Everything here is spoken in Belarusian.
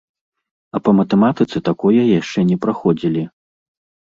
А па матэматыцы такое яшчэ не праходзілі!